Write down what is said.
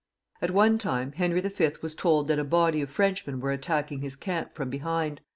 At one time Henry V. was told that a body of Frenchmen were attacking his camp from behind.